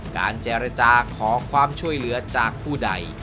การเจรจาขอความช่วยเหลือจากผู้ใด